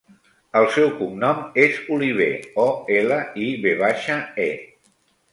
El seu cognom és Olive: o, ela, i, ve baixa, e.